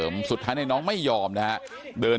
ผู้ชมครับท่าน